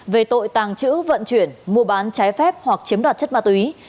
về tội tàng trữ vận chuyển mua bán trái phép hoặc chiếm đoạt chất ma túy